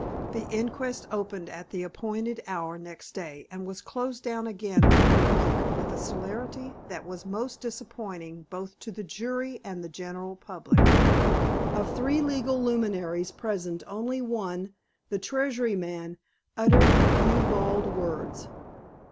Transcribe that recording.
The inquest opened at the appointed hour next day, and was closed down again for a week with a celerity that was most disappointing both to the jury and the general public. Of three legal luminaries present only one, the Treasury man, uttered a few bald words.